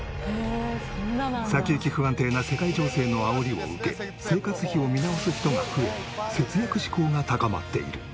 先行き不安定な世界情勢のあおりを受け生活費を見直す人が増え節約志向が高まっている。